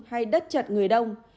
hay đất chật người đông